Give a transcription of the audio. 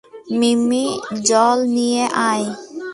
মিম্মি জল নিয়ে আয়।